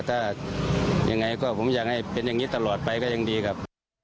ถ้ายังไงก็ผมอยากให้เป็นอย่างนี้ตลอดไปก็ยังดีครับ